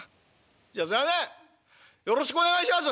じゃあすいやせんよろしくお願いします！」。